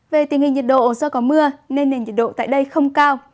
về tình hình nhiệt độ do có mưa nên nền nhiệt độ tại đây không cao